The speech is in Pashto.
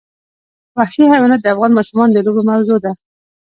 وحشي حیوانات د افغان ماشومانو د لوبو موضوع ده.